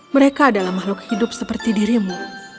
mereka adalah makhluk hidup seperti dirimu